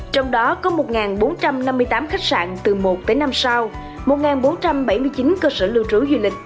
trong đó có một bốn trăm năm mươi tám khách sạn từ một tới năm sao một bốn trăm bảy mươi chín cơ sở lưu trú du lịch